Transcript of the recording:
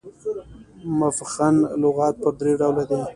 مفغن لغات پر درې ډوله دي.